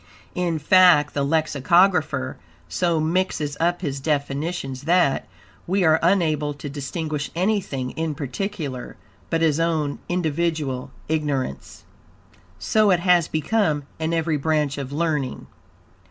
In fact, the lexicographer so mixes up his definitions that, we are unable to distinguish anything in particular, but his own individual ignorance. So it has become, in every branch of learning.